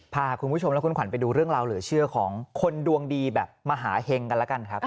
พาคุณผู้ชมและคุณขวัญไปดูเรื่องราวเหลือเชื่อของคนดวงดีแบบมหาเห็งกันแล้วกันครับ